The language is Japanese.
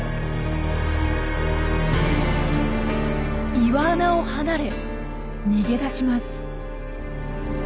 岩穴を離れ逃げ出します。